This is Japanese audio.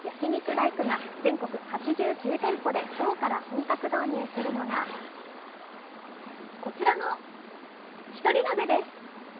ライクが全国８９店舗で今日から本格導入するのがこちらのひとり鍋です。